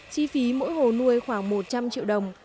chi phí mỗi hồ nuôi khoảng một trăm linh triệu đồng